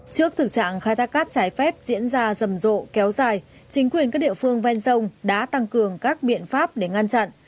trước thực trạng khai thác cát trái phép diễn ra rầm rộ kéo dài chính quyền các địa phương ven sông đã tăng cường các biện pháp để ngăn chặn